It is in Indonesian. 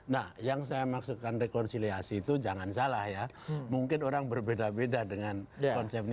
nah yang saya maksudkan rekonsiliasi itu jangan salah ya mungkin orang berbeda beda dengan konsep ini